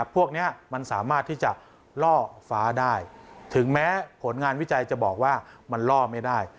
พวกนี้มันสามารถที่จะล่อฟ้าได้ถึงแม้ผลงานวิจัยจะบอกว่ามันล่อไม่ได้